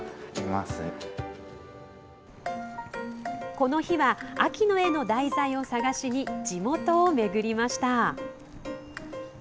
この日は、秋の絵の題材を探しに地元を巡りました。